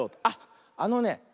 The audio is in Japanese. あっあのね